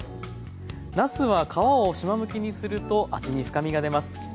なすは皮をしまむきにすると味に深みが出ます。